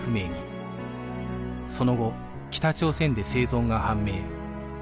その後北朝鮮で生存が判明